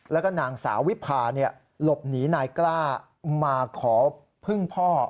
แล้วก็นางสาววิพาหลบหนีนายกล้ามาขอพึ่งพ่อ